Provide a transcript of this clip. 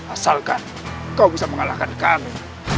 asalkan kau bisa mengalahkan kami